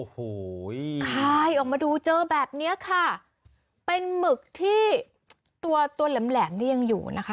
คายออกมาดูเจอแบบนี้ค่ะเป็นหมึกที่ตัวแหลมยังอยู่นะคะ